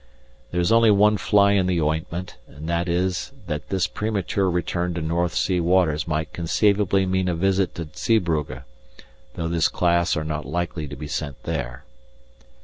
There is only one fly in the ointment, and that is that this premature return to North Sea waters might conceivably mean a visit to Zeebrugge, though this class are not likely to be sent there.